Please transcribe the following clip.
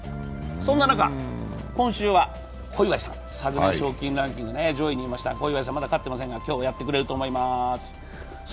そんな中、今週は小祝さん、昨年賞金ランキング上位にいました、小祝さん、今日やってくれると思います。